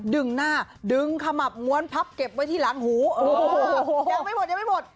ดึงหน้าดึงขมับงวลพับเก็บไว้ที่หลังหูโอ้โหยังไม่หมด